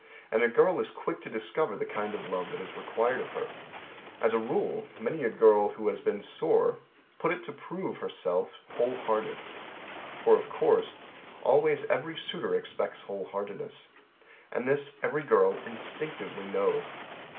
And A girl is quick to discover the kind of love that is required of her. As a rule Many a girl who has been sore put to it to prove herself whole hearted. For of course, Always every suitor expects whole heartedness. And this every girl instinctively knows.